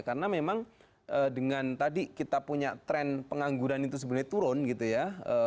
karena memang dengan tadi kita punya tren pengangguran itu sebenarnya turun gitu ya